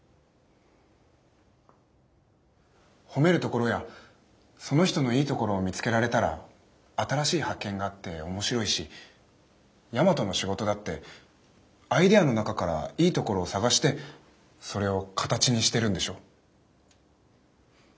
褒めるところやその人のいいところを見つけられたら新しい発見があって面白いし大和の仕事だってアイデアの中からいいところを探してそれを形にしてるんでしょ。